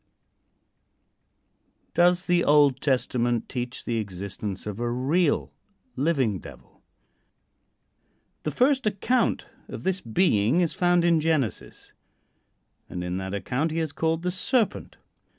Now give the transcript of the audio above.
Does the Old Testament teach the existence of a real, living Devil? The first account of this being is found in Genesis, and in that account he is called the "Serpent."